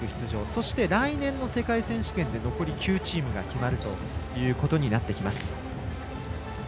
そして、来年の世界選手権で残り９チームが決まるということになってきます。